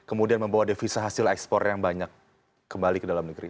kemudian membawa devisa hasil ekspor yang banyak kembali ke dalam negeri